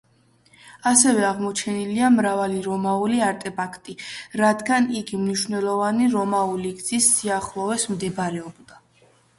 ასევე აღმოჩენილია მრავალი რომაული არტეფაქტი, რადგან იგი მნიშვნელოვანი რომაული გზის სიახლოვეს მდებარეობდა.